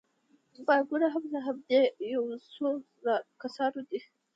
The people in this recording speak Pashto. بانکونه هم د همدې یو څو کسانو دي